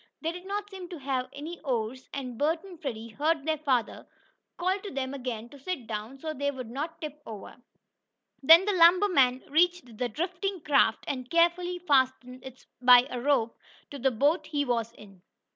They did not seem to have any oars, and Bert and Freddie heard their father call to them again to sit down, so they would not tip over. Then the lumber man reached the drifting craft, and carefully fastened it by a rope to the boat he was in.